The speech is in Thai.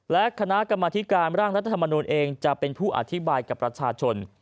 และคณะกรรมธิการร่างรัฐธรรมนูลเองจะเป็นผู้อธิบายกับประชาชน